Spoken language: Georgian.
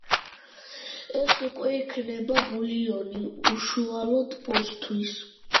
ეს უკვე იქნება ბულიონი უშუალოდ პოსთვის.